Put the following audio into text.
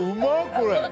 これ。